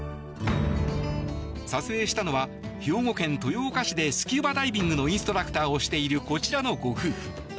撮影したのは、兵庫県豊岡市でスキューバダイビングのインストラクターをしているこちらのご夫婦。